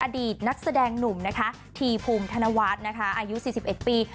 อดีตนักแสดงหนุ่มนะคะทีภูมิธนวัฒน์นะคะอายุ๔๑ปี